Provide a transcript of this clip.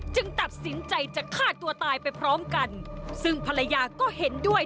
ตัดสินใจจะฆ่าตัวตายไปพร้อมกันซึ่งภรรยาก็เห็นด้วย